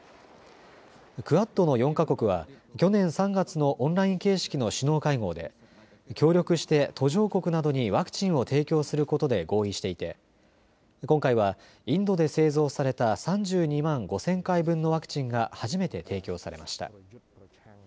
クアッドの４か国は去年３月のオンライン形式の首脳会合で協力して途上国などにワクチンを提供することで合意していて今回はインドで製造された３２万５０００回分のワクチンが初めて提供されました。